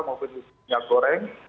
maupun minyak goreng